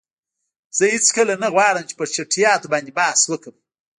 زه هیڅکله نه غواړم چې په چټییاتو باندی بحث وکړم.